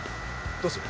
どうする？